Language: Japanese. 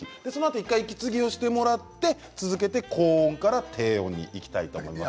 １回息継ぎをしてもらって続けて高音から低音にいきたいと思います。